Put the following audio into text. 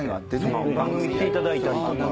・番組来ていただいたりとか。